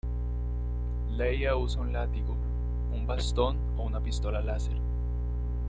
Leia usa un látigo, un bastón o una pistola láser.